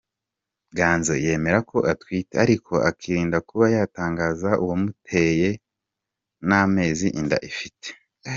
Ganzo yemera ko atwite ariko akirinda kuba yatangaza uwamuteye n’amezi inda ifite.